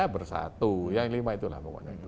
bersatu yang lima itulah